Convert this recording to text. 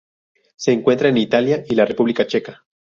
Se encuentra en Italia y la República Checa.